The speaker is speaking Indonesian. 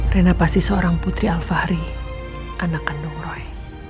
rina pasti seorang putri alfahri anak kandung roy